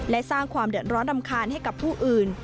และสร้างความเดือดร้อนรำคาญให้กับผู้อื่น